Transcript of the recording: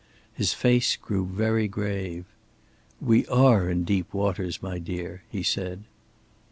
His face grew very grave. "We are in deep waters, my dear," he said.